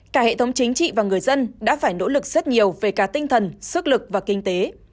cả hệ thống chính trị và người dân đã phải nỗ lực rất nhiều về cả tinh thần sức lực và kinh tế